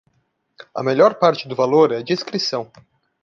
A melhor parte do valor é a discrição